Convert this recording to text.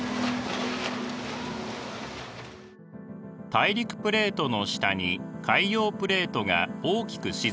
大陸プレートの下に海洋プレートが大きく沈み込みます。